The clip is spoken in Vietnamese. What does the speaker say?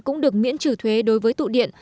cũng được miễn trừ thuế đối với tụ điện